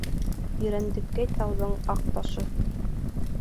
Ирәндеккәй тауҙың аҡ ташы.